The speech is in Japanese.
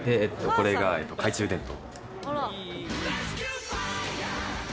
これが懐中電灯。